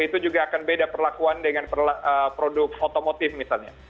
itu juga akan beda perlakuan dengan produk otomotif misalnya